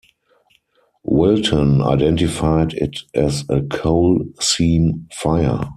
Wilton identified it as a coal seam fire.